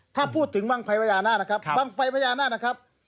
ถ้าพูดถึงวังไภพยานาควังไฟพยานาคนะครับ